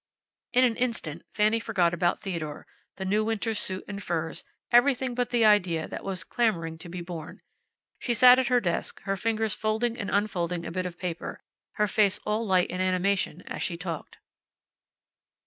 In an instant Fanny forgot about Theodore, the new winter suit and furs, everything but the idea that was clamoring to be born. She sat at her desk, her fingers folding and unfolding a bit of paper, her face all light and animation as she talked.